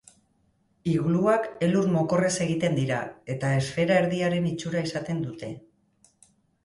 Igluak elur-mokorrez egiten dira, eta esfera-erdiaren itxura izaten dute.